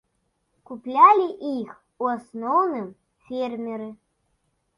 Куплялі іх у асноўным фермеры.